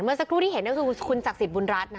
เมื่อสักครู่ที่เห็นคือคุณจักษิตบุญรัตน์